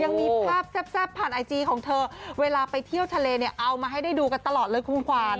ยังมีภาพแซ่บผ่านไอจีของเธอเวลาไปเที่ยวทะเลเนี่ยเอามาให้ได้ดูกันตลอดเลยคุณขวาน